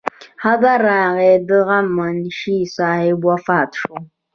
خبر راغے د غم منشي صاحب وفات شو